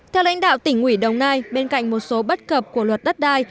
theo lãnh đạo tỉnh ủy đồng nai bên cạnh một số bất cập của luật đất đai